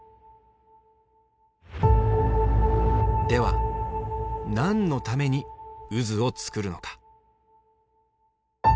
では何のために渦を作るのか？